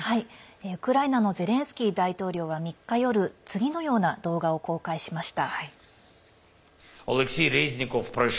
ウクライナのゼレンスキー大統領は３日夜次のような動画を公開しました。